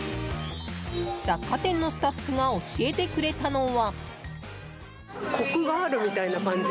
雑貨店のスタッフが教えてくれたのは。